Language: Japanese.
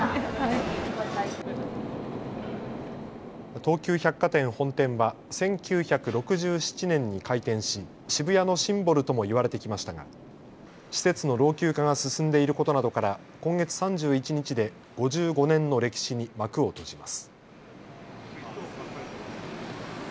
東急百貨店本店は１９６７年に開店し渋谷のシンボルとも言われてきましたが施設の老朽化が進んでいることなどから今月３１日で５５年の歴史に幕を閉じます。